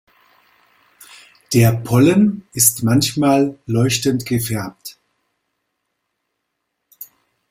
Der Pollen ist manchmal leuchtend gefärbt.